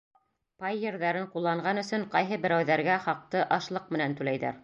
Пай ерҙәрен ҡулланған өсөн ҡайһы берәүҙәргә хаҡты ашлыҡ менән түләйҙәр.